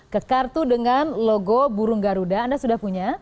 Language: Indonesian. ke kartu dengan logo burung garuda anda sudah punya